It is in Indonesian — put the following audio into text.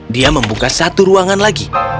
dia membuka satu ruangan lagi